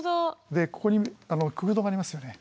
でここに空洞がありますよね。